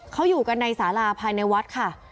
เขาอยู่กันในสาราภายในวัดค่ะ